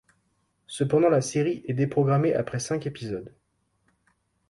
Cependant la série est déprogrammée après cinq épisodes.